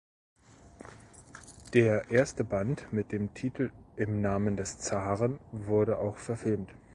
Der erste Band mit dem Titel "Im Namen des Zaren" wurde auch verfilmt.